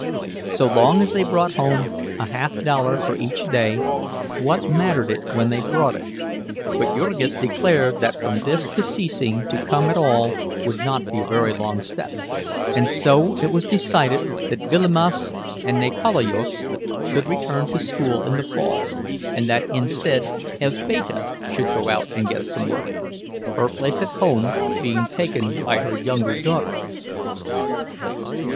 So long as they brought home a half dollar for each day, what mattered it when they brought it? But Jurgis declared that from this to ceasing to come at all would not be a very long step, and so it was decided that Vilimas and Nikalojus should return to school in the fall, and that instead Elzbieta should go out and get some work, her place at home being taken by her younger daughter.